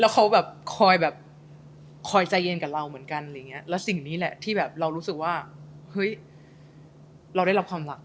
เขาแบบคอยแบบคอยใจเย็นกับเราเหมือนกันอะไรอย่างเงี้ยแล้วสิ่งนี้แหละที่แบบเรารู้สึกว่าเฮ้ยเราได้รับความรัก